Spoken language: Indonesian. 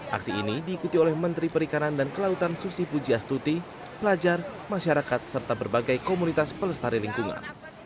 aksi ini diikuti oleh menteri perikanan dan kelautan susi pujiastuti pelajar masyarakat serta berbagai komunitas pelestari lingkungan